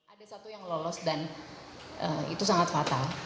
ada satu yang lolos dan itu sangat fatal